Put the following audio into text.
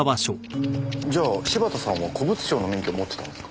じゃあ柴田さんは古物商の免許を持ってたんですか。